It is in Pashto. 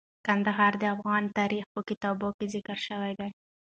کندهار د افغان تاریخ په کتابونو کې ذکر شوی دي.